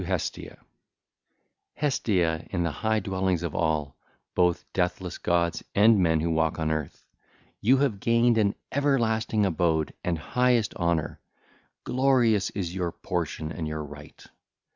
XXIX. TO HESTIA (ll. 1 6) Hestia, in the high dwellings of all, both deathless gods and men who walk on earth, you have gained an everlasting abode and highest honour: glorious is your portion and your right.